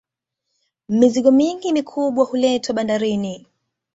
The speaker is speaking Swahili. mizigo mingi mikubwa huletwa bandarini